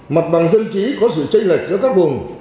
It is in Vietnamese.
mặt bằng dân trí có sự tranh lệch giữa các vùng